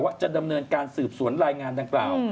ว่าจะดำเนินการสืบสวนรายงานดังกล่าว